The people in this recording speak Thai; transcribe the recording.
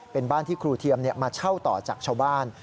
เป็นบ้านที่ครูเทียมมาเช่าต่อจากชาวบ้าน